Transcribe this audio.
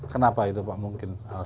kenapa itu pak mungkin